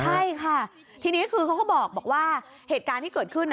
ใช่ค่ะทีนี้คือเขาก็บอกว่าเหตุการณ์ที่เกิดขึ้น